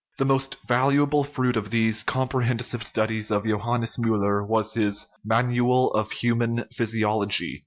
The most valuable fruit of these comprehensive stud ies of Johannes Miiller was his Manual of Human Phys iology.